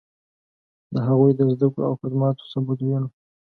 د هغوی د زدکړو او خدماتو ثبوت وینو.